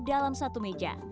dalam satu minggu